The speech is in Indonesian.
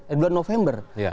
eh bulan november